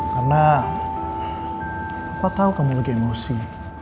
karena papa tau kamu lagi emosi